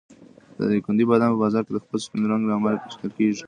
د دایکنډي بادام په بازار کې د خپل سپین رنګ له امله پېژندل کېږي.